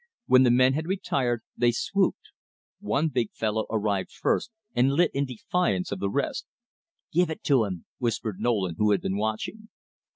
When the men had retired, they swooped. One big fellow arrived first, and lit in defiance of the rest. "Give it to 'im!" whispered Nolan, who had been watching.